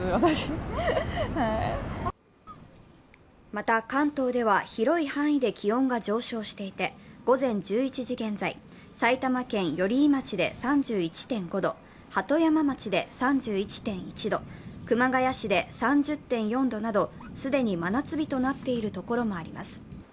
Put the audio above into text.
また関東では広い範囲で気温が上昇していて午前１１時現在、埼玉県寄居町で３１．５度、鳩山町で３１．１度、熊谷市で３０．４度など既に真夏日となっているところもあります。